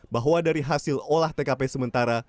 bahwa dari hasil olah tkp sementara